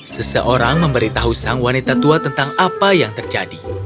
seseorang memberitahu sang wanita tua tentang apa yang terjadi